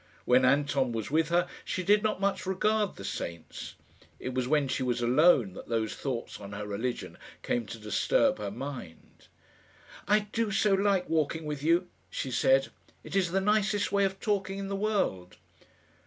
When Anton was with her she did not much regard the saints. It was when she was alone that those thoughts on her religion came to disturb her mind. "I do so like walking with you," she said. "It is the nicest way of talking in the world."